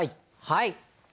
はい。